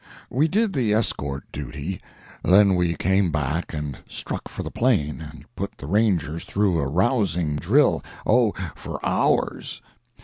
We did the escort duty; then we came back and struck for the plain and put the Rangers through a rousing drill—oh, for hours!